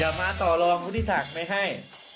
อย่ามาต่อรองภูติศักดิ์ไม่ให้